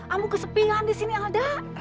ambu kesepilan di sini alda